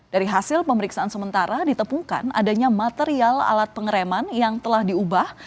dari hasil pemeriksaan sementara ditemukan adanya material alat pengereman yang telah diubah